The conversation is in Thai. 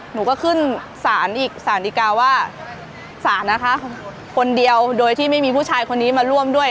หนูก็ขึ้นศาลอีกสารดีกาว่าสารนะคะคนเดียวโดยที่ไม่มีผู้ชายคนนี้มาร่วมด้วย